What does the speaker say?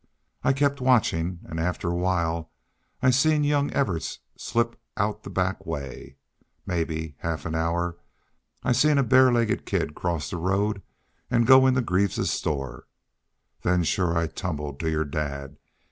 I kept watchin' an' after a while I seen young Evarts slip out the back way. Mebbe half an hour I seen a bare legged kid cross, the road an' go into Greaves's store.... Then shore I tumbled to your dad.